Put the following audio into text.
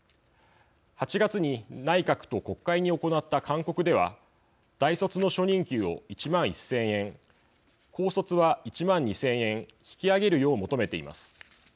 ８月に内閣と国会に行った勧告では大卒の初任給を１万１０００円高卒は１万２０００円引き上げるよう求めています。